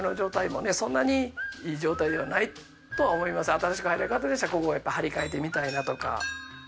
新しく入る方でしたらここは貼り替えてみたいなとか。